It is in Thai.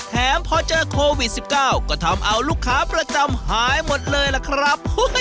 แถมพอเจอโควิด๑๙ก็ทำเอาลูกค้าประจำหายหมดเลยล่ะครับ